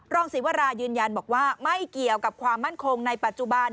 ศิวรายืนยันบอกว่าไม่เกี่ยวกับความมั่นคงในปัจจุบัน